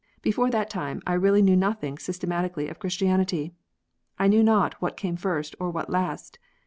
Before that time I really knew nothing systematically of Christianity. I knew not what came first or what last.